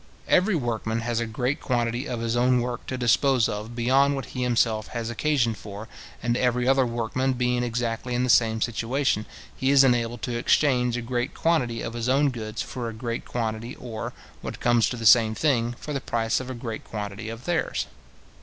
Every workman has a great quantity of his own work to dispose of beyond what he himself has occasion for; and every other workman being exactly in the same situation, he is enabled to exchange a great quantity of his own goods for a great quantity or, what comes to the same thing, for the price of a great quantity of theirs.